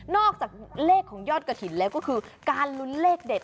อกจากเลขของยอดกระถิ่นแล้วก็คือการลุ้นเลขเด็ด